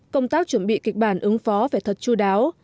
công tác chuẩn bị kịch bản ứng phó phải thật chú đáo